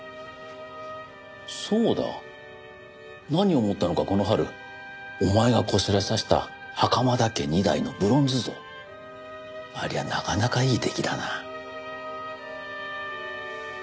そうだ何を思ったのかこの春お前がこしらえさせた袴田家２代のブロンズ像ありゃなかなかいい出来だな。